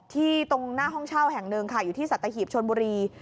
ตรงหน้าห้องเช่าแห่งหนึ่งค่ะอยู่ที่สัตหีบชนบุรี